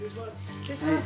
失礼します。